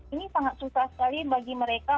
ini sangat susah sekali bagi mereka